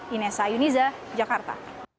inessa yuniza jakarta